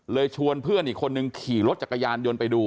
ชวนเพื่อนอีกคนนึงขี่รถจักรยานยนต์ไปดู